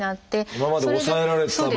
今まで抑えられてた分。